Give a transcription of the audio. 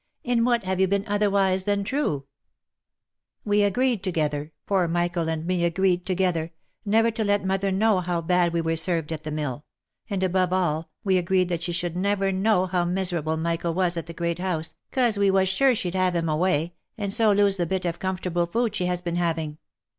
" In what have you been otherwise than true V " We agreed together — poor Michael and me agreed together, never to let mother know how bad we were served at the mill — and, above all, we agreed that she should never know how miserable Michael was at the great house, 'cause we was sure she'd have him away, and so lose the bit of comfortable food she has been having.